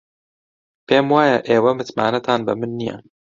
پێم وایە ئێوە متمانەتان بە من نییە.